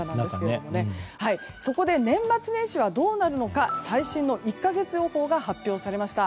そこで年末年始はどうなるのか最新の１か月予報が発表されました。